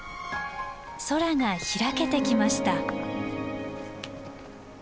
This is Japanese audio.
空が開けてきました。